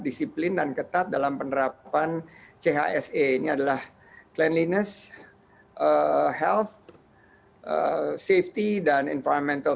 disiplin dan ketat dalam penerapan chse ini adalah cleanliness health safety dan environmental